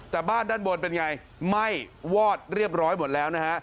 แต่บ้านด้านบนเป็นไงไหม้วอดเรียบร้อยหมดแล้วนะฮะ